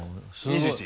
２１。